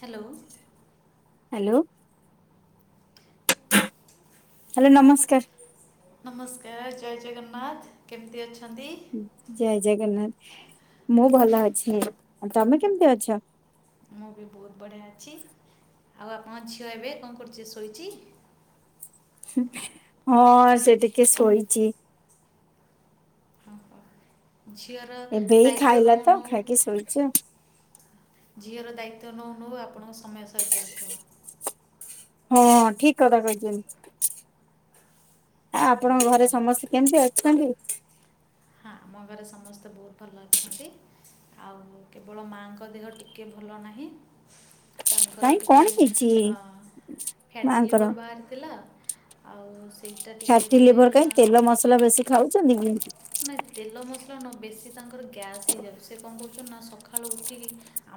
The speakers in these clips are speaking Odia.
ହ୍ୟାଲୋ। ହାଲୋ। ହାଲୋ ନମସ୍କାର। [inaudible] ନମସ୍କାର ଜୟ ଜଗନ୍ନାଥ କେମତି ଅଛନ୍ତି? ଜୟ ଜଗନ୍ନାଥ ମୁଁ ଭଲ ଅଛି ଆଉ ତମେ କେମତି ଅଛ? ମୁଁ ବି ବୋହୁତ ବଢିଆ ଅଛି ଆଉ ଆପଣଙ୍କ ଝିଅ ଏବେ କଁ କରୁଚି ଶୋଇଚି? ହୁଁ ହଁ ସେ ଟିକେ ଶୋଇଚି। ହଁ, ହଁ। ଝିଅର ଏବେ ଏଇ ଦାୟିତ୍ୱ ଖାଇଲା ନେଉ ତ ନେଉ ଖାଇକି ଶୋଇଚି ଆଉ। ଝିଅର ଦାୟିତ୍ଵ ନଉ ନଉ ଆପଣଙ୍କ ସମୟ ସରିଯାଉଥୁବ। ହଁ ଠିକ୍ କଥା କହିଛନ୍ତି। ଆ ହଁ, ଆପଣଙ୍କ ଘରେ ହଁ। ସମସ୍ତେ କେମତି ଅଛନ୍ତି? ହଁ ଆମ ଘରେ ସମସ୍ତେ ବୋହୁତ ଭଲ ଅଛନ୍ତି। ଆଉ କେବଳ ମାଙ୍କ ଦେହ ଟିକେ ଭଲ ନାହିଁ। ତାଙ୍କର କାଇଁ କଣ ଟିକେ ହେଇଛି ଆଁ ଫ୍ୟାଟି ମାଆଙ୍କର? ଲିଭର୍ ବାହାରିଥିଲା। ଆଉ ସେଇଟା ଟିକେ ଫ୍ୟାଟି ଏବେ ଲିଭର କାଇଁ? ହେଲା ତେଲ ମସଲା ବେଶୀ ଖାଉଛନ୍ତି କି? ନାଇ ତେଲ ମସଲା ନ, ବେଶୀ ତାଙ୍କର ଗ୍ୟାସ୍ ହେଇଯାଉଛି। ସେ କଣ କରୁଛନ୍ତି ନା, ସକାଳୁ ଉଠିକି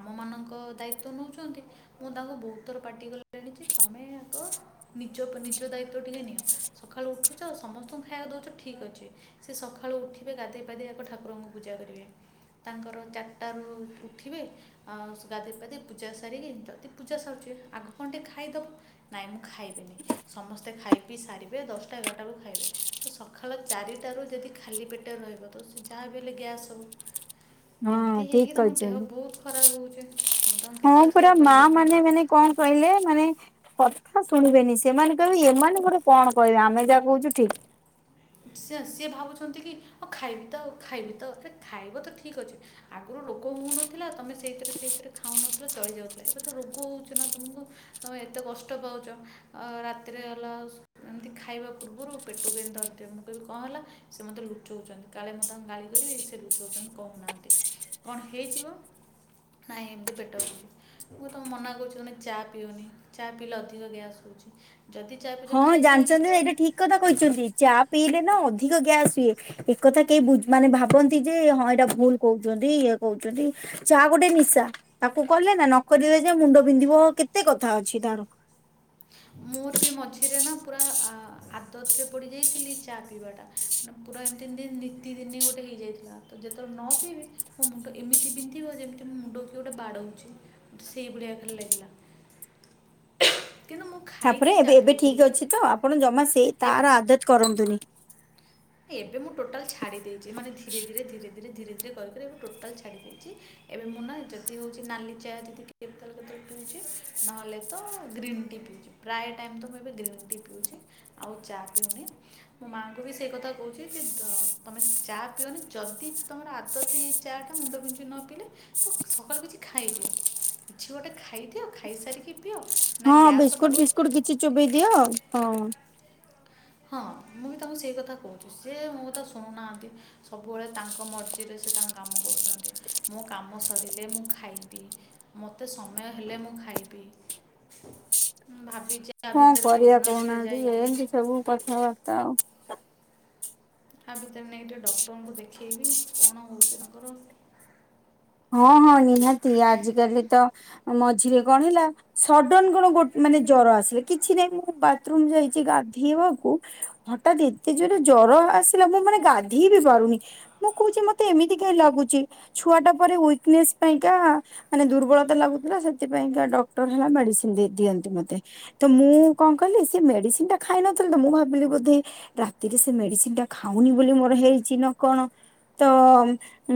ଆମମାନଙ୍କ ଦାୟିତ୍ୱ ନଉଛନ୍ତି। ମୁଁ ତାଙ୍କୁ ବହୁତ ଥର ପାଟି କଲିଣି ଯେ, ତମେ ଆଗ ନିଜ ପ-ନିଜ ଦାୟିତ୍ଵ ଟିକେ ନିଅ। ସକାଳୁ ଉଠୁଛ। ସମସ୍ତଙ୍କୁ ଖାଇବାକୁ ଦଉଛ ଠିକ୍ ଅଛି। ସେ ସକା ସକାଳୁ ଉଠିବେ, ଗାଧେଇ ପାଧେଇ ଆଗ ଠାକୁରଙ୍କୁ ପୂଜା କରିବେ। ତାଙ୍କର ଚାରିଟାରୁ ଉ-ଉଠିବେ। ଆଁ ସୁ-ଗାଧେଇ ପାଧେଇ, ପୂଜା ସାରିକି, ଯଦି ପୂଜା ସରୁଛି, ଆଗ କଣ ଟିକେ ଖାଇଦବୁ? ନାଇଁ ମୁଁ ଖାଇବିନି। ସମସ୍ତେ ଖାଇ ପିଇ ସାରିବେ, ଦଶଟା ଏଗାରଟା ବେଳକୁ ଖାଇବେ। ତ ସକାଳ ଚାରିଟାରୁ ଯଦି ଖାଲି ପେଟରେ ରହିବ, ତ ସ-ଯାହା ବି ହେଲେ ଗ୍ୟାସ୍ ହବ। ହଁ ଏମିତି ଠିକ ହେଇକି ତାଙ୍କ ଦେହ କହିଛନ୍ତି। ବହୁତ ଖରାପ ହଉଛି। ମୁଁ ତାଙ୍କୁ ହଁ କେତେ ପୁରା ଥର ମା କହିଲିଣି। ମାନେ ମାନେ କଣ କହିଲେ? ମାନେ କଥା ଶୁଣିବେନି। ସେମାନେ କହିବେ, ଏମାନେ ଗୋଟେ କଣ କହିବେ? ଆମେ ଯାହା କହୁଛୁ ଠିକ୍। ସେୟା ସିଏ ଭାବୁଛନ୍ତି କି, ହଁ ଖାଇବି ତ, ଆଉ ଖାଇବି ତ। ଆରେ ଖାଇବ ତ ଠିକ୍ ଅଛି। ଆଗରୁ ରୋଗ ହଉନଥିଲା। ତମେ ସେଇଥିରେ ସେଇଥିରେ ଖାଉନଥିଲ ଚଳି ଯାଉଥିଲା। ଏବେ ତ ରୋଗ ହଉଛି ନା ତମକୁ। ତ ଏତେ କଷ୍ଟ ପାଉଛ। ଆ ରାତିରେ ହେଲା ସ-ଏମିତି ଖାଇବା ପୂର୍ବରୁ ପେଟକୁ ଏମିତି ଧରି ଥିବେ। ମୁଁ କହିବି କଣ ହେଲା? ସେ ମୋତେ ଲୁଚଉଛନ୍ତି। କାଳେ ମୁଁ ତାଙ୍କୁ ଗାଳି କରିବି, ସେ ଲୁଚଉଛନ୍ତି କହୁନାହାଁନ୍ତି। କଣ ହେଇଛି ମଁ? ନାଇଁ ଏମିତି ପେଟ ହଉଛି। ମୁ ତମଁ ମନା କରୁଛି, ତମେ ଚା' ପିଅନି। ଚା' ପିଇଲେ ଅଧିକ ଗ୍ୟାସ୍ ହଉଛି। ଯଦି ଚା' ପିଉଚ ଖାଇସାରିକି ପିଅ। ଠିକ୍ କଥା କହିଛନ୍ତି। ଚା' ପିଇଲେ ନା ଅଧିକ ଗ୍ୟାସ୍ ହୁଏ। ଏକଥା କେହିବୁଝୁ, ମାନେ ଭାବନ୍ତି ଯେ ହଁ, ଏଇଟା ଭୁଲ କହୁଛନ୍ତି ଇଏ କହୁଛନ୍ତି। ଚା' ଗୋଟେ ନିଶା। ତାକୁ କଲେ ନା ନକରିଲେ ଯେ ମୁଣ୍ଡ ବିନ୍ଧିବ। କେତେ କଥା ଅଛି ତାର ହୁଁ [unintelligible] ମୋର ବି ମଝି ସେଥିରେ ନା ପୁରା ଆ-ଆଦତରେ ପଡ଼ିଯାଇଥିଲି ଚା ପିଇବାଟା। ମାନେ ପୁରା ଏମିତି ଦି ନିତି ଦିନି ଗୋଟେ ହେଇଯାଇଥିଲା। ତ ଯେତେବେଳେ ନ ପିଇବି ମୋ ମୁଣ୍ଡ ଏମିତି ବିନ୍ଧିବ ଯେମିତି ମୋ ମୁଣ୍ଡ କିଏ ଗୋଟେ ବାଡ଼ଉଛି ମତେ ସେଇ ଭଳିଆ ଖାଲି ଲାଗିଲା। କିନ୍ତୁ ମୁଁ ଖାଇକି ତା'ପରେ ଚା ଏବେ ଏବେ ଠିକ୍ ପିଉଥିଲି ଅଛି ତ। ଆପଣ ଜମା ସେଇ ଏବେ ତାର ଆଦତ କରନ୍ତୁନି। ଏବେ ମୁଁ ଟୋଟାଲ୍ ଛାଡ଼ି ଦେଇଛି। ମାନେ ଧୀରେ ଧୀରେ ଧୀରେ ଧୀରେ ଧୀରେ କରି କରି, ଏବେ ଟୋଟାଲ୍ ଛାଡ଼ି ଦେଇଛି। ଏବେ ମୁଁ ନା ଯଦି ହଉଛି ନାଲି ଚା ଯଦି କେତେ ବେଳେ କେତେବେଳେ। ପିଉଛି ନହେଲେ ତ ଗ୍ରୀନ୍ ଟି ପିଉଛି। ପ୍ରାୟ ଟାଇମ୍ ତ ମୁଁ ଏବେ ଗ୍ରୀନ୍ ଟି ପିଉଛି। ଆଉ ଚା' ପିଉନି। ମୋ ମାଆଙ୍କୁ ବି ସେଇ କଥା କହୁଛି ଯେ, ତମେ ଚା' ପିଅନି। ଯଦି ତମର ଆଦତ ହେଇ ଯାଇଛି ଚା' ଟା ମୁଣ୍ଡ ବିିନ୍ଧୁଛି ନ ପିଇଲେ ତ ସକାଳୁ କିଛି ଖାଇଦିଅ। କିଛି ଗୋଟେ ଖାଇଦିଅ ଖାଇସାରିକି ପିଅ ନା ହଁ, ଗ୍ୟାସ୍ ବିସ୍କୁଟ୍ ହେବନି ଫିସ୍କୁଟ୍ କିଛି ଚୋବେେଇ ଦିଅ, ହଁ ହଁ, ମୁଁ ବି ତାଙ୍କୁ ସେଇ କଥା କହୁଛି। ସି ମୋ କଥା ଶୁଣୁନାହାଁନ୍ତି ସବୁବେଳେ ତାଙ୍କ ଙ୍କ ମର୍ଜିରେ ସେ ତାଙ୍କ କାମ କରୁଛନ୍ତି। ମୋ କାମ ସରିଲେ ମୁଁ ଖାଇବି। ମତେ ସମୟ ହେଲେ ମୁଁ ଖାଇବି। ମୁଁ ଭାବିଛି ଆ କଣ ଭିତରେ କରିବା କେଉଁଦିନ ଟିକେ କହୁନାହାଁନ୍ତି? ଯାଇକି ଏମିତି ସବୁ କଥାବାର୍ତ୍ତା ଆଉ। ଆ ଭିତରେ ନେଇକି ଟିକେ ଡକ୍ଟରଙ୍କୁ ଦେଖେଇବି, କଣ ହଉଛି ତାଙ୍କର? ହଁ, ହଁ, ନିହାତି, ଆଜିକାଲି ତ ମଝିରେ କଣ ହେଲା ସଡନ୍ କଣ ଗୋଟ୍ ମାନେ ଜର ଆସିଲା। କିଛି ନାହିଁ ମୁଁ ବାଥ୍ ରୁମ୍ ଯାଇଛି ଗାଧେଇବାକୁ ହଠାତ୍ ଏତେ ଯୋରେ ଜର ଆସିଲା, ମୁଁ ମାନେ ଗାଧେଇ ବି ପାରୁନି ମୁଁ କହୁଛି ମତେ ଏମିତି କାଇଁ ଲାଗୁଛି? ଛୁଆ ଟା ପରେ ୱିକ୍ ନେସ ପାଇଁକା, ମାନେ ଦୁର୍ବଳତା ଲାଗୁଥିଲା। ସେଥିପାଇଁ କା ଡକ୍ଟର ହେଲା ମେଡିସିନ୍ ଦେଇ ଦିଅନ୍ତି ମୋତେ। ତ ମୁଁ କଣ କହିଲି? ସେ ମେଡିସିନ୍ ଟା ଖାଇ ନଥିଲ ତ ମୁଁ ଭାବିଲି ବୋଧେ ରାତିରେ ସେ ମେଡିସିନ୍ ଟା ଖାଉନି ବୋଲି ମୋର ହେଇଛି ନା କଣ! ତ,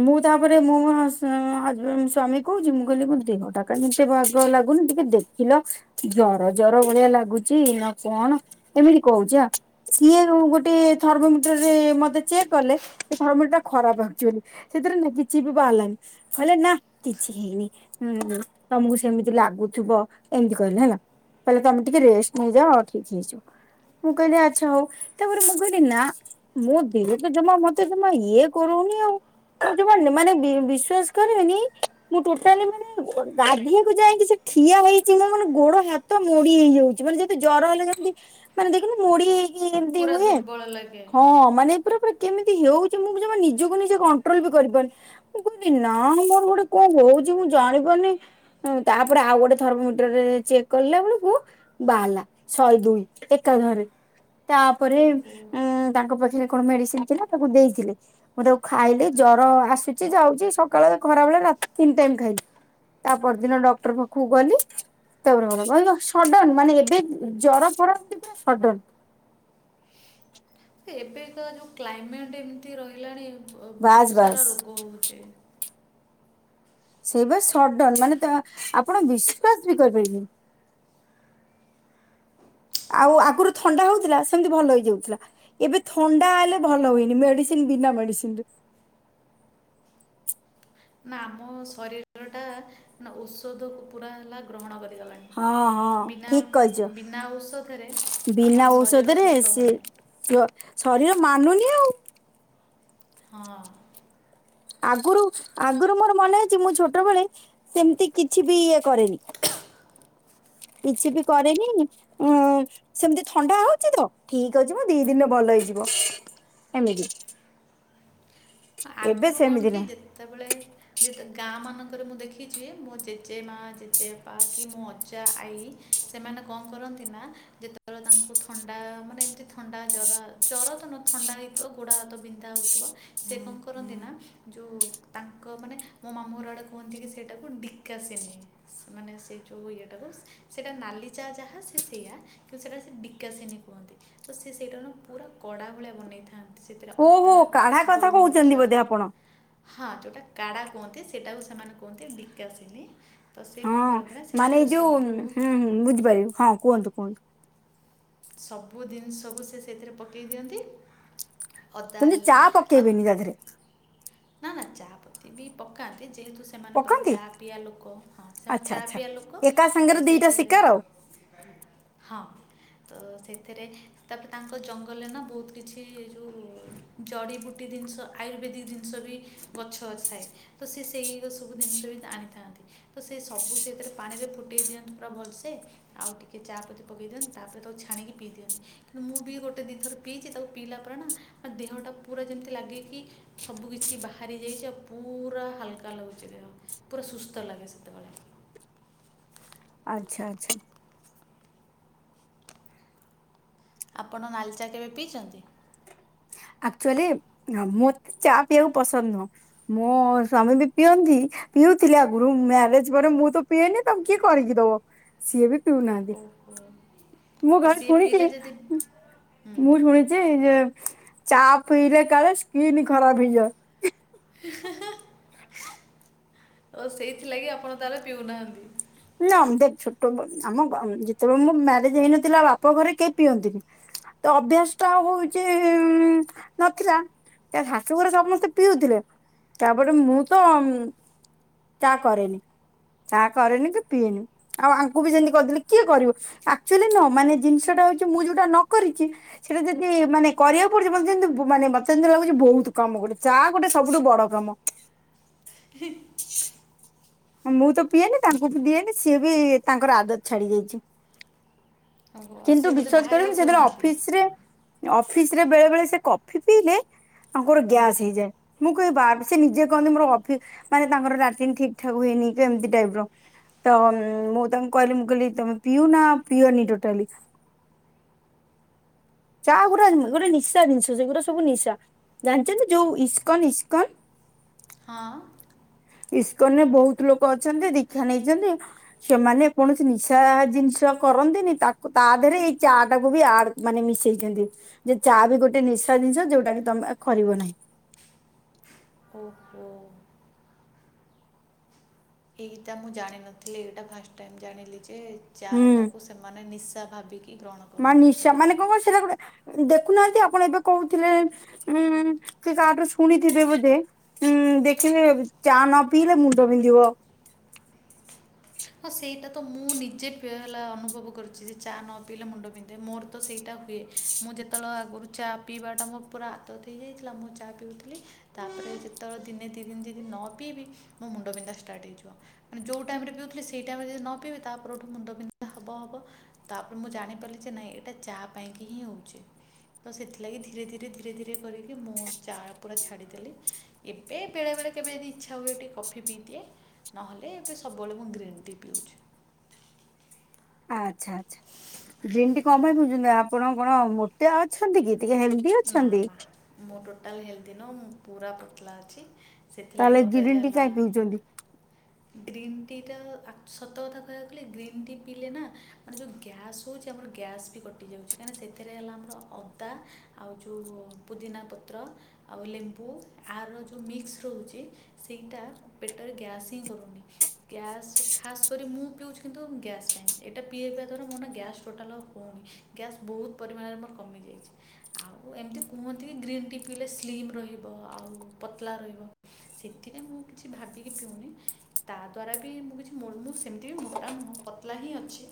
ମୁଁ ତା'ପରେ ମୁଁ ହସ୍ ଅଁ ହଜ୍ବେ ସ୍ଵାମୀ କୁ କହୁଛି, ମୁଁ କହିଲି କ ଦେହ ଟା କାଇଁ ବାଗ ଲାଗୁନି, ଟିକେ ଦେଖିଲ। ଜର ଜର ଭଳିଆ ଲାଗୁଛି ନା, କଣ? ଏମିତି କହୁଛ। ସିଏ ଗୋଟେ ଥର୍ମୋମିଟରରେ ମତେ ଚେକ୍ କଲେ ଥର୍ମୋମିଟର ଟା ଖରାପ ଆକ୍ଚୁଏଲୀ। ସେଥିରେ ନା କିଛି ବି ବାହାରିଲାନି କହିଲେ ନା କିଛି ହେଇନି। ହୁଁ ତମକୁ ସେମିତି ଲାଗୁଥିବ ଏମିତି କହିଲେ ହେଲା। ତାହଲେ ତମେ ଟିକେ ରେଷ୍ଟ୍ ନେଇଯାଅ ଆଉ ଠିକ୍ ହେଇଯିବ। ମୁଁ କହିଲି ଆଚ୍ଛା ହଉ ତାପରେ ମୁଁ କହିଲି ନା ମୁଁ ଦେହ ତ ଜମା ମତେ ଜମା ଇଏ କରୁନି ଆଉ ଜମା ମାନେ ମାନେ ବିସ ଶ୍ୱାସ କରିବେନି ମୁଁ ଟୋଟାଲୀ ମୁଁ ଗାଧିଆକୁ ଯାଇକି ସେ ଠିଆ ହେଇଛି ମୁଁ ମାନେ ଗୋଡ ହାତ ମୋଡି ହେଇଯାଉଛି ମାନେ ଯର ହେଲେ ଯେମିତି ମାନେ ଦେଖିଲି ମୁଡି଼ ହେଇକି ଏମତି ପୁରା ଭଳିଆ ଦୁର୍ବଳ ଲାଗେ ହଁ ମାନେ ପୁରା ପୁରି କେମିତି ହଉଛି ମୁଁ ନିଜକୁ ନିଜେ କଣ୍ଟ୍ରୋଲ ବି କରିପାରୁନି। ମୁଁ ନା ମୋର ଗୋଟେ କଣ ହଉଛି ମୁଁ ଜାଣି ପାରୁନି ହୁଁ ତାପରେ ଆଉ ଗୋଟେ ଥର୍ମୋମିଟରରେ ଚେକ୍ କଲା ବେଳକୁୁ ବାଲା ଶହେ ଦୁଇ ଏକାଧରେ ତାପରେ ଓହୋ ତାଙ୍କ ପାଖରେ କଣ ମେଡିସିନ ଥିଲା ତାକୁ ଦେଇଥିଲି ମୁଁ ତାକୁ ଖାଇଲି ଜର ଆସୁଛି ଯାଉଛି ସକାଳେ ଖରା ବଳେ ରାତି ତିନି ଟାଇ ଖାଇଲି ତା ପରଦିନ ଡକ୍ଟର ପାଖକୁ ଗଲି ସଡନ ମାନେ ଏବେ ଜର ପନ୍ତି ସଡନ। ଏବେତ ଯେଉ କ୍ଲାଇମେଟ୍ ଏମିତି ରହିଲାଣି ବାସ୍ ବହୁତ ସାରା ବାସ୍। ରୋଗ ହଉଛେ। ସେଇ ବା ସଡନ ମାନେ ତ ଆପଣ ବିଶ୍ଵାସ ବି କରିପାରିବେନି। ହ [unintelligible] ଆଉ ଆଗୁରୁ ଥଣ୍ଡା ହଉଥିଲା, ସେମିତି ଭଲ ହେଇଯାଉଥିଲା। ଏବେ ଥଣ୍ଡା ହେଲେ ଭଲ ହୁଏନି, ମେଡିସିନ ବିନା ମେଡିସିନ ରେ। ନା ଆମ ଶରୀରଟା ନା ଔଷଧକୁ ପୁରା ହେଲା ଗ୍ରହଣ ହଁ ହଁ କରିଗଲାଣି। ବିନା ଠିକ କହିଛ। ବିନା ଔଷଧରେ ଆମ ଶରୀର ସୁସ୍ଥ ହଉନାଇଁ। ର ଶରୀର ମାନୁନି ଆଉ। ହଁ। ଆଗରୁ, ଆଗରୁ ମୋର ମନେ ଅଛି ମୁଁ ଛୋଟବେଳେ ସେମିତି କିଛି ବି ଇଏ କରେନି। କିଛି ବି କରେନି। ଉ ସେମିତି ଥଣ୍ଡା ହଉଛି ତ ଠିକ ଅଛିିମ ଦି ଦିନରେ ଭଲ ହେଇଯିବ। ଏମିତି। ଅ ଏବେ ଆଗରୁ କଣ ସେମିତି କି ନାହିଁ ଯେତେବେଳେ ଯେତ ଗାଁ ମାନଙ୍କରେ ମୁଁ ଦେଖିଛି ମୋ ଜେଜେ ମା, ଜେଜେ ବାପା କି ମୋ ଅଜା, ଆଈ ସେମାନେ କଣ କରନ୍ତି ନା ଯେତେବେଳେ ତାଙ୍କୁ ଥଣ୍ଡା ମାନେ ଏମିତି ଥଣ୍ଡା ଜର ଆ ଜର ତ ନୁହଁ ଥଣ୍ଡା ହେଇଥିବ ଗୋଡ଼ ହାତ ବିନ୍ଧା ହେଉଥିବ ସେ କଣ କରନ୍ତି ନା ଯୋଉ ତାଙ୍କ ମାନେ ମୋ ମାମୁଁ ଘର ଆଡ଼େ କୁହନ୍ତି କି ସେଇଟାକୁ ଢିଙ୍କାସିନି। ମାନେ ସେ ଯୋଉ ଇଏଟାକୁ, ସେଇଟା ନାଲି ଚା ଯାହା ସେ ସେଇଆ। ତ ସେଇଟା ସେ ବିକାଶିନି କୁହନ୍ତି। ତ ସେ ସେଇଟା ନା ପୁରା କଡ଼ା ଭଳିଆ ବନେଇଥାନ୍ତି। ସେଥିରେ ଓହୋ ଅଦା, କାଢା କଥା କହୁଛନ୍ତି ଗୋଲମରିଚ ବୋଧେ ଆପଣ ହଁ ଯୋଉଟା କାଡା କୁହନ୍ତି ସେଇଟାକୁ ସେମାନେ କୁହନ୍ତି ଡ଼ିକାସିିନୀ। ତ ସେ ହଁ କଣ କରନ୍ତି ନା ମାନେ ଏଇ ସେଇତେରେ ଯୋଉ ସବୁ କୁ ହୁଁ ହୁଁ ବୁଝିପାରିବି। ହଁ କୁହନ୍ତୁ, କୁହନ୍ତୁ ସବୁ ଦିନିଷକୁୁ ସେ ସେଇଥିରେ ପକେଇ ଦିଅନ୍ତି ଅଦା ତମତି ଚା ହେଲା ଆଉ [unintelligible] ହଁ ହଁ ଚାହା ପତି ବି ପକାନ୍ତି ଯେହେତୁ ସେ ସେମାନେ ପୁରା ପକାନ୍ତି ଚା ପିଆ ଲୋକ। ହଁ ସେମାନେ ଆଚ୍ଛା ଚା ଆଚ୍ଛା ପିଆ ଲୋକ ଏକା ସାଙ୍ଗରେ ତ ଦିଟା ସେଥଲାଗି ଶିକାର ଆଉ ଆ ହଁ। ତ ସେଥେରେ ତାପରେ ତାଙ୍କ ଜଙ୍ଗଲରେ ନା ବହୁତ କିଛି ଯୋଉ ଜଡ଼ିିବୁଟି ଜିନିଷ ଆୟୁର୍ବେଦିକ ଜିନିଷ ଜିନିଷ ବି ଗଛ ଥାଏ ତ ସେଇର ସବୁ ଜିନିଷ ବି ଆାଣିଥାନ୍ତି। ତ ସେ ସବୁ ସେଥିରେ ପାଣିରେ ଫୁଟେଇ ଦିଅନ୍ତିୁ ପୁରା ଭଲସେ ଆଉ ଟିକିେ ଚା ପତି ପକେଇ ଦିଅନ୍ତି ତାପରେ ତାକୁ ଛାିଣିକି ପିଇ ଦିଅନ୍ତି। କିନ୍ତୁ ମୁଁ ବି ଗୋଟେ ଦି ଥର ପିଇଛି ତାକୁ ପିଇଲା ପରେ ନା ଆ ଦେହ ଟା ପୁରା ଯେମତି ଲାଗେ କି ସବୁକିଛି ବାହାରି ଯାଇଛି ଆଉ ପୁରା ହାଲକା ଲାଗୁଛି ଦେହ ପୁରା ସୁସ୍ଥ ଲାଗେ ସେତେବେଳେ। ଆଚ୍ଛା ଆଚ୍ଛା। ଆପଣ ନାଲିଚା କେବେ ପିଇଛନ୍ତି? ଆକ୍ଚୁଆଲି ମୁଁ ଚା ପିଇଆକୁ ପସନ୍ଦ ନୁହଁ। ମୋ ସ୍ଵାମୀ ବି ପିଅନ୍ତି। ପିଉଥିଲେ ଆଗରୁ ମ୍ୟାରେଜ ପରେ ମୁଁ ତ ପିଏନି ତାଙ୍କୁ କିଏ କରିକି ଦବ? ସିଏ ବି ପିଉନାହାନ୍ତି। ଓହୋ ମୁଁ ଆଉ ଘରେ ସିଏ ପିଇଲେ ଶୁଣିଛି ଯଦି ହୁଁ ମୁଁ ନୁହେଁ। ଯେ ଏ ଚା ପିଇଲେ କାଳେ ସ୍କିନ୍ ଖରାପ ହେଇଯାଏ। [inaudible] ତ ସେଇଥିଲାଗି ଆପଣ ତାହେଲେ ପିଉନାହାନ୍ତି? ନା ଦେ ଛୋଟ ବେଳୁ ଆମ ଘ ଯେତେବେଳେ ମୁଁ ମ୍ୟାରେଜ ହେଇନଥିଲା ବାପ ଘରେ କେହି ପିଅନ୍ତିନି। ତ ଅଭ୍ୟାସ ଟା ହଉଚି ନଥିଲା। ତା ଶାଶୁ ଘରେ ସମସ୍ତେ ପିଉଥିଲେ। ତାପରେ ମୁଁ ତ ଚା କରେନି ଚା କରେନି କି ପିଏନି। ଆଉ ଆଙ୍କୁ ବି ସେମିତି କହିଥିଲି କିଏ କରିବ? ଆକ୍ଚୁଆଲି ନୁହଁ। ମାନେ ଜିନିଷଟା ହଉଛି ମୁଁ ଯୋଉଟା ନ କରିଛି। ସେଇଟା ଯଦି ମାନେ କରିବାକୁ ପଡୁଛି ମତେ ଯେମତି ମାନେ ମତେ ଯେମିତି ଲାଗୁଛି ବହୁତ କାମ ଗୋଟେ ଚା ଗୋଟେ ସବୁଠୁ ବଡ଼ କାମ। [inaudible] ମୁଁ ତ ପିଏନି ତାଙ୍କୁ ବି ଦିଏନି ସିଏ ବି ତାଙ୍କର ଆଦତ୍ ଛାଡ଼ି ଯାଇଛି। ଓହୋ ଆଉ କିନ୍ତୁ ସିଏ ବୋଧେ ବିଶ୍ୱାସ ବାହାରେ ଆଉ କରିବେନି ସେ ଯେତେବେଳେ ପିଉନାହାନ୍ତି ଅଫିସ ରେ ଅଫିସ୍ ରେ ବେଳେ ବେଳେ ସେ କଫି ପିଇଲେ ତାଙ୍କର ହୁଁ ଗ୍ୟାସ୍ ହେଇଯାଏ। ମୁଁ କହିବି [unintelligible] ସେ ନିଜେ କହନ୍ତି ମୋର ଅଫିସ୍ ମାନେ ତାଙ୍କର ଲାଟିନ ଠିକ ବଥା ହୁଏନି ଯେ ଏମିତି ଟାଇପ୍ ର ତ ମୁଁ ତାଙ୍କୁ କହିଲି ମୁଁ କହିଲି ତମେ ପିଉ ନ ପିଅନି ଟୋଟାଲି। ଚା ଗୁଡା ଗୋଟେ ନିଶା ଜିନିଷ ସେଗୁଡାକ ସବୁ ନିଶା ଜାଣିଛନ୍ତି। ଯୋଉ ଇସ୍କନ ଇସ୍କନ ହଁ। ଇସ୍କନରେ ବହୁତ ଲୋକ ଅଛନ୍ତି ଦୀକ୍ଷା ନେଇଛନ୍ତି। ସେମାନେ କୌଣସି ନିଶା ଜିନିଷ କରନ୍ତିନି ତା ତା ଦେହରେ ଏଇ ଚା ଟାକୁ ବି ଆଡ ମାନେ ମିଶେଇଛନ୍ତି ଯେ ଚା ବି ଗୋଟେ ନିଶା ଜିନିଷ ଯୋଉଟା କି ତମେ କରିବ ନାହିଁ। ହଁ ହଁ। ଏଇଟା ମୁଁ ଜାଣିନଥିଲି ଏଇଟା ଫାଷ୍ଟ ଟାଇମ୍ ଜାଣିଲି ଯେ ଚା ହୁଁ ଟାକୁ ସେମାନେ ନିଶା ଭାବିକି ଗ୍ରହଣ କର ମା ନିଶା ମାନେ କଣ [unintelligible] ସେଇଟା ଗୋଟେ ଦେଖୁନାହାନ୍ତି ଆପଣ ଏବେ କହୁଥିଲେ ହୁଁମ୍ ସେ କାହାଠୁ ଶୁଣିଥିବେ ବୋଧେ। ହୁଁମ୍ ଦେଖିଲେ ଚା ନ ପିଇଲେ ମୁଣ୍ଡ ପିନ୍ଧିବ। ହଁ ସେଇଟା ତ ମୁଁ ନିଜେ ଫେର୍ ହେଲା ଅନୁଭବ କରୁଛି ଯେ ଚା ନ ପିଇଲେ ମୁଣ୍ଡ ବିିନ୍ଧି ଯେ ମୋର ତ ସେଇଟା ହୁଏ। ମୁଁ ଯେତେବେଳେ ଆଗରୁ ଚା ପିଇବାଟା ମୋର ପୁରା ଆଦତ୍ ହେଇଯାଇଥିଲା ମୁଁ ଚା ପିଉଥିଲି ତାପରେ ଯେତେବେଳେ ଦିନେ ଦି ଦିନ ଯଦି ନ ପିଇବି ମୋ ମୁଣ୍ଡ ବିିନ୍ଧା ଷ୍ଟାର୍ଟ ହେଇଯିବ। ମାନେ ଯୋଉ ଟାଇମ୍ ରେ ପିଉଥିଲେ ସେଇ ଟାଇମ୍ ଯଦି ନ ପିଇବି ତାପରଠୁ ମୁଣ୍ଡ ବିିନ୍ଧା ହବ ହବ। ତପରେ ମୁଁ ଜାଣିପାରିଲି ଯେ ନାଇଁ ଏଇଟା ଚା ପାଇଁକି ହିଁ ହଉଛି। ତ ସେଥିଲାଗି ଧୀରେ ଧୀରେ ଧୀରେ ଧୀରେ କରିକି ମୁଁ ଚା ପୁରା ଛାଡ଼ିଦେଲି। ଏବେ ବେଳେବେଳେ କେବେ ଯଦି ଇଚ୍ଛା ହୁଏ ଟିକେ କଫି ପିଇ ଦିଏ ନହେଲେ ଏବେ ସବୁବେଳେ ମୁଁ ଗ୍ରୀନ୍ ଦି ପିଉଛି। ଆଚ୍ଛା ଆଚ୍ଛା ଗ୍ରୀନ ଟି କଣ ପାଇଁ ପିଉଛନ୍ତି? ଆପଣ କଣ ମୋଟା ଅଛନ୍ତି କି? ଟିକେ ହେଲଦି ନା ନା ମୁଁ ଟୋଟାଲ ହେଲ୍ଦି ନୁହଁ ମୁଁ ପୁରା ପତଲା ଅଛି। ସେଥିଲାଗି ତାହେଲେ ମୋତେ ଗ୍ରୀନ୍ ଟି ହେଲା। କାଇଁ ପିଉଛନ୍ତି ଗ୍ରୀନ୍ ଟି ଟା ଆକ ସତ କଥା କହିବାକୁ ଗଲେ ଗ୍ରୀନ୍ ଟି ପିଇଲେ ନା ମାନେ ଯେଉଁ ଗ୍ୟାସ୍ ହଉଛି ଆମର ଗ୍ୟାସ୍ କଟି ଯାଉଛି କାହିଁକିନା ସେଥିରେ ହେଲା ଆମର ଅଦା ଆଉ ଯଉ ପୁଦିନା ପତ୍ର ଆଉ ଲେମ୍ବୁ ଆର ଯୋଉ ମିକ୍ସ ରହୁଛି ସେଇଟା ପେଟରେ ଗ୍ୟାସ୍ ହିଁ କରୁନି। ଗ୍ୟାସ୍ ଖାସ୍ କରି ମୁଁ ପିଉଛି କିନ୍ତୁ ଗ୍ୟାସ୍ ପାଇଁ ଏଇଟା ପିଇବା ଦ୍ଵାରା ମୋର ନା ଗ୍ୟାସ୍ ଟୋଟାଲ ଆଉ ହୋଉନି। ଗ୍ୟାସ୍ ବୋହୁତ ପରିମାଣରେ ମୋର କମିଯାଇଛି। ଆଉ ଏମିତି କୁହନ୍ତି କି ଗ୍ରୀନ୍ ଟି ପିଇଲେ ସ୍ଲିମ୍ ରହିବ ଆଉ ପତଲା ରହିବ। ସେଥିପାଇଁ ମୁଁ କିଛି ଭାବିକି ପିଉନି। ତା ଦ୍ୱାରା ବି ମୁଁ କିଛି [unintelligible] ମୁଁ ସେମିତି ବି ମୋଟା ନୁହଁ ପତଲା ହିଁ ଅଛି।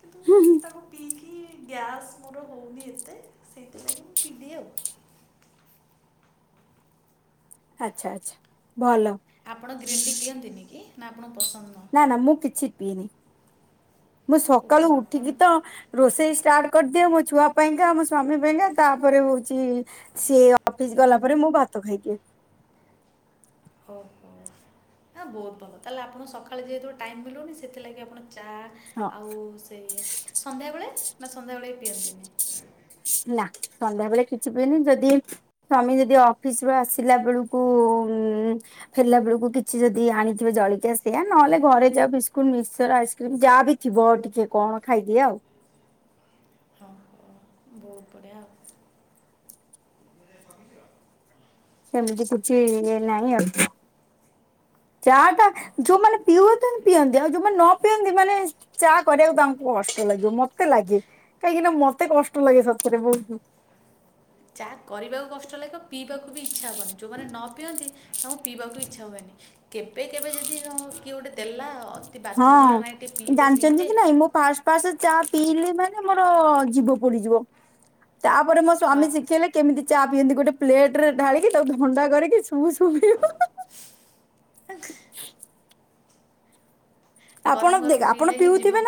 କିନ୍ତୁ ତାକୁ ପିଇକି ଗ୍ୟାସ୍ ମୋର ହୋଉନି ଏତେ। ସେଇଥି ଲାଗି ମୁଁ ପି ଦିଏ ଆଉ। ଆଚ୍ଛା ଆଚ୍ଛା ଭଲ। ଆପଣ ଗ୍ରୀନ୍ ଟି ପିଅନ୍ତିନି କି ନା ଆପଣଙ୍କୁ ପସନ୍ଦ ନୁହଁ? ନା ନା ମୁଁ କିଛି ପିଇନି। ମୁଁ ସକାଳୁ ଓହୋ ଆପଣ ଉଠିକି ତ ରୋଷେଇ ଷ୍ଟାର୍ଟ କରିଦିଅ ମୋ ଛୁଆ ପାଇଁକା ମୋ ସ୍ୱାମୀ ପାଇଁକା ତାପରେ ହୋଉଛି ସିଏ ଅ ଫିସ୍ ଗଲା ପରେ ମୁଁ ଭାତ ଖାଇଦିଏ। ଓହୋ। ହାଁ ବୋହୁତ ଭଲ ତାହେଲେ ଆପଣ ସକାଳେ ଯେହେତୁ ଟାଇମ୍ ମିଳୁନି ସେଥିଲାଗି ଆପଣ ଚା ହଁ ଆଉ ସେ ସନ୍ଧ୍ୟାବେଳେ ନା ସନ୍ଧ୍ୟା ବେଳେ ବି ପିଅନ୍ତିନି? ନା ସନ୍ଧ୍ୟା ବେଳେ କିଛି ପିଏନି ଯଦି ଏଇ ସ୍ଵାମୀ ଯଦି ଅଫିସ୍ ରୁ ଆସିଲା ବେଳକୁ ଉଁ ଫେରିଲା ବେଳକୁ କିଛି ଯଦି ଆଣିଥିବ ଜଳିକିଆ ସେୟଆ ନହେଲେ ଘରେ ଯା ବିସ୍କୁଟ ମିକ୍ସଚର ଆଇସ୍କ୍ରିମ ଯାହାବି ଥିବ ଟିକେ କଣ ଖାଇ ଦିଏ ଆଉ। ଓଁ ହୋ ବୋହୁତ ବଢ଼ିଆ ଆଉ। ସେମିତି କିଛି ଇଏ ନାହିଁ ଆଉ ଚାହା ଟା ଆଉ ଓହୋ ଯୋଉମାନେ ପିଉ [unintelligible] ପିଅନ୍ତି ଆଉ ଯୋଉମାନେ ନ ପିଅନ୍ତି ମାନେ ଚା କରିବାକୁ ତାଙ୍କୁ କଷ୍ଟ ଲାଗିବ। ମତେ ଲାଗେ। କାହିଁକି ନା ମତେ କଷ୍ଟ ଲାଗେ ସତରେ ବୋହୁତୁ। ଚା କରିବାକୁ କଷ୍ଟ ଲାଗିବ। ପିଇବାକୁ ବି ଇଚ୍ଛା ହବନି। ଯୋଉମାନେ ନ ପିଅନ୍ତି ତାଙ୍କୁ ପିଇବାକୁ ଇଚ୍ଛା ହୁଏନି। କେବେ କେବେ ଯଦି ଧର କିଏ ଗୋଟେ ଦେଲା ଅତି ବାଧ୍ୟ କଲା ହଁ ନାଇଁ ଟିକେ ପିଇଦେ ଜାଣିଛନ୍ତି ପିଇଦେ କି ନାଇଁ ମୁଁ ଫାଷ୍ଟ ଫାଷ୍ଟ ଚା ପିଇଲେ ମାନେ ମୋର ଜିଭ ପୋଡି଼ଯିବ। ତାପରେ ମୋ ସ୍ଵାମୀ ଆ- ଶିଖେଇଲେ କେମିତି ଚା ପିଅନ୍ତି ଗୋଟେ ପ୍ଲେଟ ରେ ଢାଳିକି ତାକୁ ଥଣ୍ଡା କରିକି ଶୁ ଶୁ ପିଇବ। ହାକ୍। ଆପଣ ଗରମ ଦେଖ ଗରମ ଆପଣ ପିଇଲେ ହିଁ ପିଉଥିବେ ଜିଭ ନା